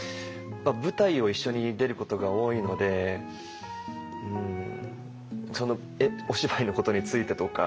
舞台を一緒に出ることが多いのでそのお芝居のことについてとか。